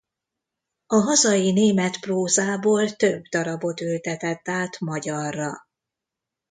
A hazai német prózából több darabot ültetett át magyarra.